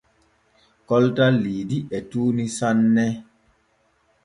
Koltal Liidi e tuuni sanne.